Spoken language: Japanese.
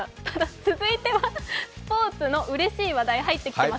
続いてはスポーツのうれしい話題が入ってきています。